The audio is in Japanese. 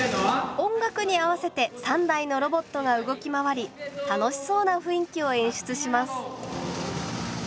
音楽に合わせて３台のロボットが動き回り楽しそうな雰囲気を演出します。